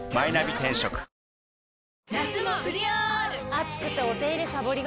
暑くてお手入れさぼりがち。